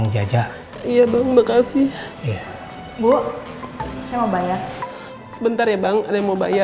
jadi berapa semuanya